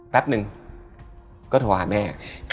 แป๊บนึงก็โทรหาแม่